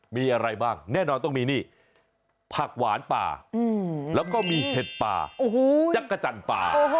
มีอะไรบ้างแน่นอนต้องมีนี่ผักหวานป่าแล้วก็มีเห็ดป่าจักรจันทร์ป่า